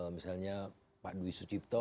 misalnya pak dwi sucipto